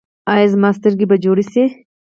ایا زما سترګې به جوړې شي؟